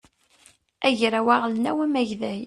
agraw aɣelnaw amagday